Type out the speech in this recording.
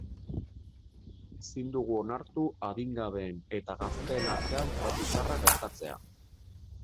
Ezin dugu onartu adingabeen eta gazteen artean tratu txarrak gertatzea.